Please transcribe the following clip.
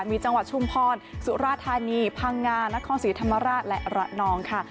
มีจังหวัดชุมพรสุราธานีพังงานครศรีธรรมราชและระนองค่ะ